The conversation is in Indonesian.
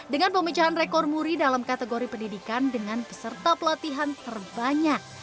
dengan pemecahan rekor muri dalam kategori pendidikan dengan peserta pelatihan terbanyak